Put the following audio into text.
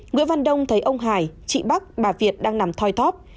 nguyễn văn đông thấy ông hải chị bắc bà việt đang nằm thoi thóp